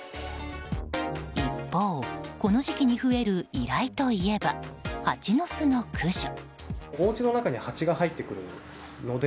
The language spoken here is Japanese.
一方、この時期に増える依頼といえば、ハチの巣の駆除。